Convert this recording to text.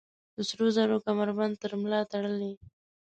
د سروزرو کمربند تر ملا تړلي